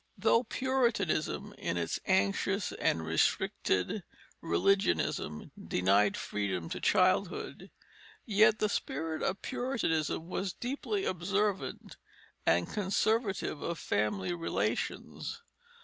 Though Puritanism in its anxious and restricted religionism denied freedom to childhood, yet the spirit of Puritanism was deeply observant and conservative of family relations.